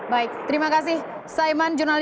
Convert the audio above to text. baik terima kasih saiman